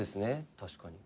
確かに。